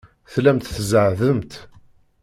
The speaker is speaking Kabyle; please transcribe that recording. Tellamt tzeɛɛḍemt.